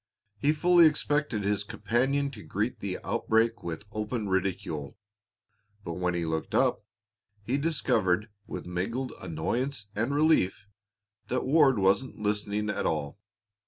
He fully expected his companion to greet the outbreak with open ridicule, but when he looked up, he discovered with mingled annoyance and relief that Ward wasn't listening at all.